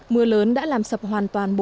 mưa lớn đã làm sập hoàn toàn